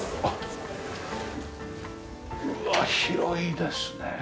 うわっ広いですね。